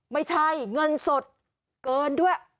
ไม่ใช่เงินสดเกินด้วย